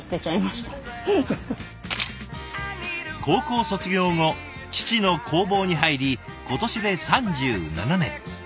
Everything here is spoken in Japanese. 高校卒業後父の工房に入り今年で３７年。